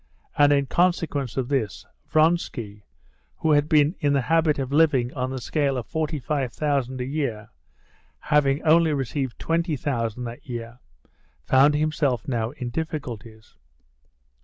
And in consequence of this, Vronsky, who had been in the habit of living on the scale of forty five thousand a year, having only received twenty thousand that year, found himself now in difficulties.